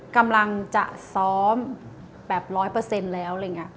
กำลังจะซ้อมแบบ๑๐๐แล้ว